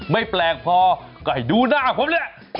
ไม่แปลกพอก็ให้ดูหน้าผมแหละ